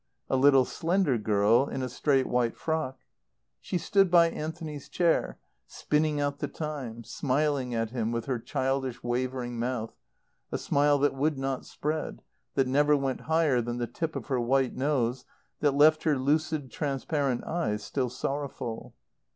A little, slender girl in a straight white frock. She stood by Anthony's chair, spinning out the time, smiling at him with her childish wavering mouth, a smile that would not spread, that never went higher than the tip of her white nose, that left her lucid, transparent eyes still sorrowful.